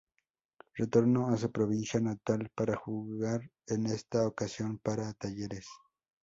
Retornó a su provincia natal para jugar en esta ocasión para Talleres.